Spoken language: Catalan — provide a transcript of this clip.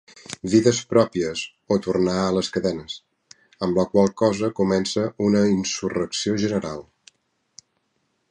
"Vides pròpies, o tornar a les cadenes", amb la qual cosa comença una insurrecció general.